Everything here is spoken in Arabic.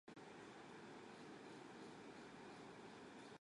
أفطر وأكباد العداة تفطر